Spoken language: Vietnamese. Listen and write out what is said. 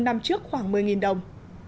năm trước khoảng một mươi đồng